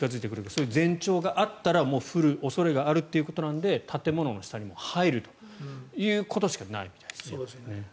そういう前兆があったらもう降る恐れがあるということなので建物の下に入るということしかないみたいです。